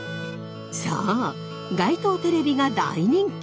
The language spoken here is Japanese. そう街頭テレビが大人気。